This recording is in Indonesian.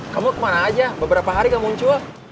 kamu kemana aja beberapa hari kamu muncul